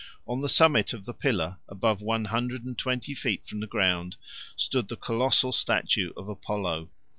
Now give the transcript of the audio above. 45 On the summit of the pillar, above one hundred and twenty feet from the ground, stood the colossal statue of Apollo.